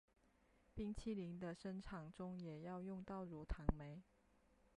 冰淇淋的生产中也要用到乳糖酶。